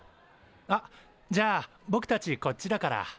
あっじゃあぼくたちこっちだから。